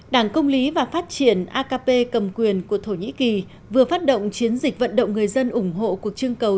đảng công lý và phát triển akp cầm quyền của thổ nhĩ kỳ vừa phát động chiến dịch vận động người dân ủng hộ cuộc trưng cầu